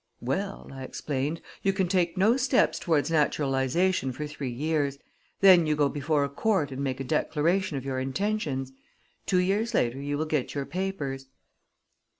"Well," I explained, "you can take no steps toward naturalization for three years. Then you go before a court and make a declaration of your intentions. Two years later, you will get your papers."